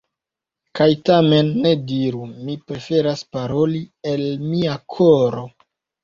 Kaj tamen, ne diru: “Mi preferas paroli el mia koro”.